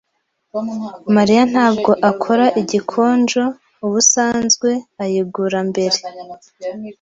Mariya ntabwo akora igikonjo. Ubusanzwe ayigura mbere.